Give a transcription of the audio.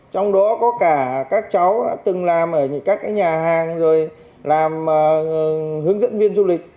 trong đó có cả các cháu đã từng làm ở các nhà hàng rồi làm hướng dẫn viên du lịch